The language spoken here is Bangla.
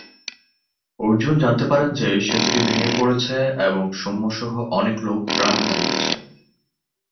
অর্জুন জানতে পারেন যে সেতুটি ভেঙে পড়েছে এবং সৌম্য সহ অনেক লোক প্রাণ হারিয়েছে।